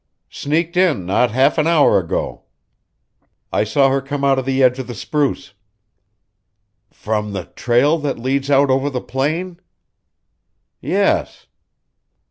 "Sneaked in not half an hour ago, I saw her come out of the edge of the spruce." "From the trail that leads out over the plain?" "Yes."